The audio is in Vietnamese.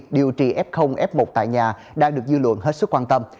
điều trị f f một tại nhà đang được dư luận hết sức quan tâm